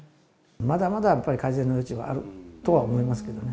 まだまだやっぱり改善の余地はあるとは思いますけどね。